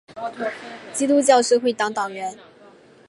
基督教社会党党员。